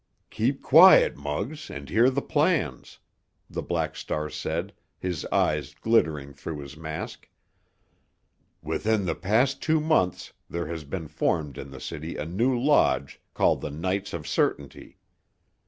"Keep quiet, Muggs, and hear the plans," the Black Star said, his eyes glittering through his mask. "Within the past two months there has been formed in the city a new lodge called the Knights of Certainty.